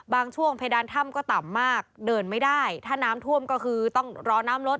ช่วงเพดานถ้ำก็ต่ำมากเดินไม่ได้ถ้าน้ำท่วมก็คือต้องรอน้ำลด